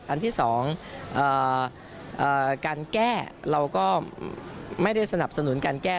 อันที่๒การแก้เราก็ไม่ได้สนับสนุนการแก้